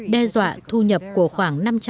đe dọa thu nhập của khoảng